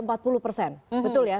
betul ya begitu ya